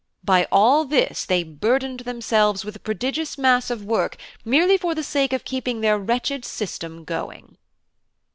By all this they burdened themselves with a prodigious mass of work merely for the sake of keeping their wretched system going."